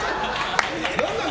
何なの？